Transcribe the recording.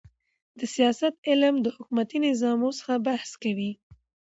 د سیاست علم د حکومتي نظامو څخه بحث کوي.